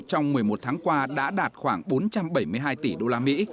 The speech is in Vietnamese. trong một mươi một tháng qua đã đạt khoảng bốn trăm bảy mươi hai tỷ đô la mỹ